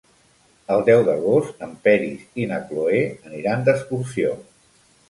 El deu d'agost en Peris i na Cloè aniran d'excursió.